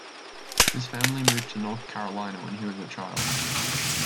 His family moved to North Carolina when he was a child.